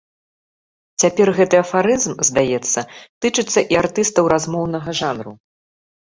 Цяпер гэты афарызм, здаецца, тычыцца і артыстаў размоўнага жанру.